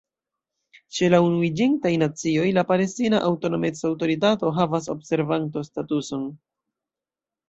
Ĉe la Unuiĝintaj Nacioj la Palestina Aŭtonomec-Aŭtoritato havas observanto-statuson.